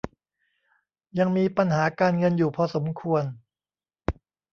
ยังมีปัญหาการเงินอยู่พอสมควร